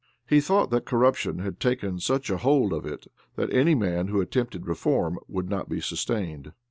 He thought that corruption had taken such a hold of it that any man who attempted reform would not be sustained.